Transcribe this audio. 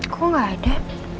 kok gak ada